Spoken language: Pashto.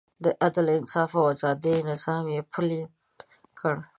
د عدل، انصاف او ازادۍ نظام یې پلی کړ.